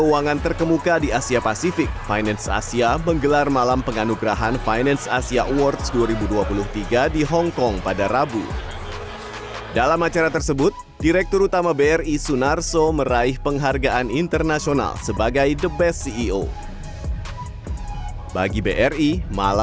bagaimana penghargaan international